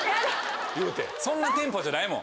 言うてそんなテンポじゃないもん。